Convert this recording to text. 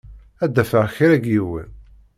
Ad d-afeɣ kra n yiwen.